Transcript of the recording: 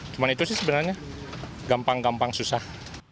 cuma itu sih sebenarnya gampang gampang susah